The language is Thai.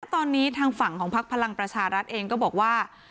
ตอนนี้ทางฝั่งของพักพลังประชารัฐเองก็บอกว่า